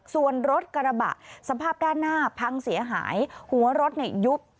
ส่วนรถกระบะสภาพด้านหน้าพังเสียหายหัวรถยุบ